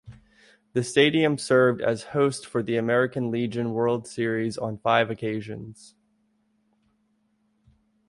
The stadium served as host for the American Legion World Series on five occasions.